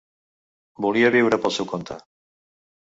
Volia viure pel seu compte.